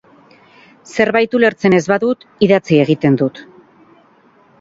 Zerbait ulertzen ez badut, idatzi egiten dut.